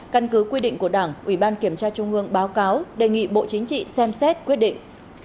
căn cứ quy định của đảng ủy ban kiểm tra trung ương báo cáo đề nghị bộ chính trị xem xét quyết định